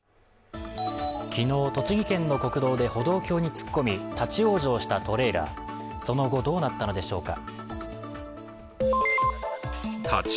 昨日、栃木県の国道で歩道橋に突っ込み立往生したトレーラー、その後、どうなったのでしょうか。